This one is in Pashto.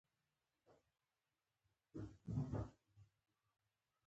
دوی خبري کوم لنډه به کیسه وي